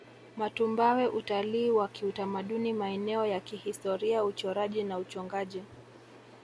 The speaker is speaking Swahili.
Matumbawe Utalii wa kiutamaduni maeneo ya kihistoria uchoraji na uchongaji